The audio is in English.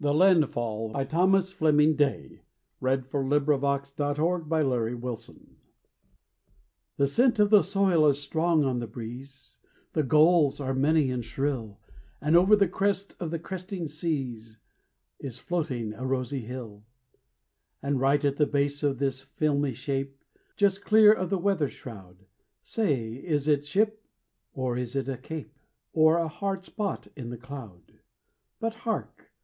Yo ha! Yo ho! Come down with a will And bring the main sheet aft. THE LANDFALL The scent of the soil is strong on the breeze, The gulls are many and shrill, And over the crest of the cresting seas Is floating a rosy hill; And right at the base of this filmy shape, Just clear of the weather shroud, Say, is it ship, or is it a cape, Or a hard spot in the cloud? But hark!